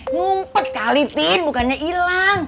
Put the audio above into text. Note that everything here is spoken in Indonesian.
ngumpet kali tin bukannya hilang